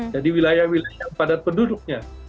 jadi wilayah wilayah padat penduduknya